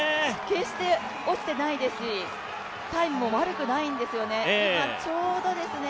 決して落ちてないですし、タイムも悪くないんですよね。